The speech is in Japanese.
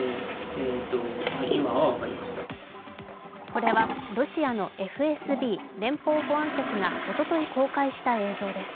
これはロシアのＦＳＢ＝連邦保安局がおととい公開した映像です。